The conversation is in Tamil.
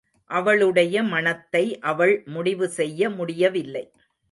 அவளுடைய மணத்தை அவள் முடிவு செய்ய முடியவில்லை.